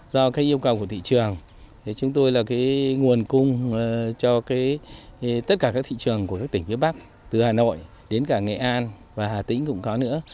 do các yêu cầu của thị trường chúng tôi là nguồn cung cho tất cả các thị trường của các tỉnh phía bắc từ hà nội đến cả nghệ an và hà tĩnh cũng có nữa